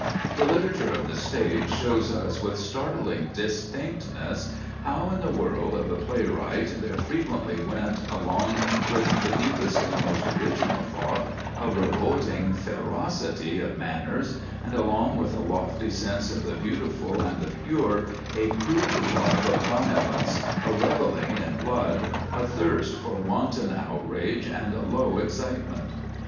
The literature of the stage shows us with startling distinctness how in the world of the playwright there frequently went, along with the deepest and most original thought a revolting ferocity of manners, and along with a lofty sense of the beautiful and the pure a crude love of violence, a revelling in blood, a thirst for wanton outrage and low excitement.